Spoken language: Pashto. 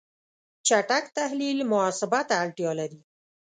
چټک تحلیل محاسبه ته اړتیا لري.